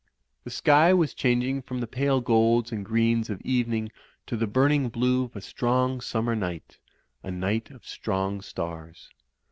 The sky was changing from the pale golds and greens of evening to the burning blue of a strong summer night, a night of strong stars.